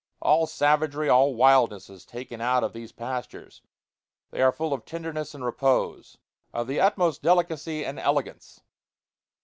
All savagery, all wildness, is taken out of these pastures; they are full of tenderness and repose of the utmost delicacy and elegance.